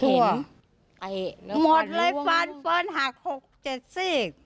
หมดเลยฟันฟอลหลัง๖๐๗๐